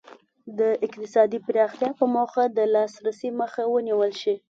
د اقتصادي پراختیا په موخه د لاسرسي مخه ونیول شي.